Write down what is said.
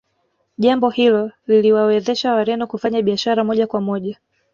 Jambo hilo liliwawezesha Wareno kufanya biashara moja kwa moja